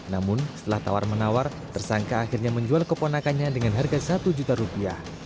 namun setelah tawar menawar tersangka akhirnya menjual keponakannya dengan harga satu juta rupiah